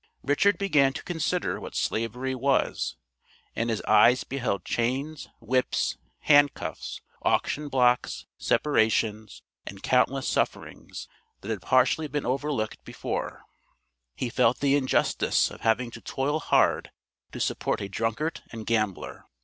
Richard began to consider what Slavery was, and his eyes beheld chains, whips, hand cuffs, auction blocks, separations and countless sufferings that had partially been overlooked before; he felt the injustice of having to toil hard to support a drunkard and gambler.